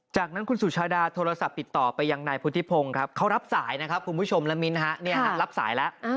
จากนั้นคุณสุชาดาโทรศัพท์ติดต่อไปยังนายพุทธิพงศ์ครับเขารับสายนะครับคุณผู้ชมและมิ้นรับสายแล้ว